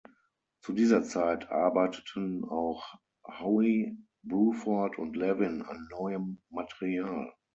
Zu dieser Zeit arbeiteten auch Howe, Bruford und Levin an neuem Material.